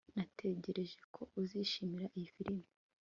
natekereje ko uzishimira iyi firime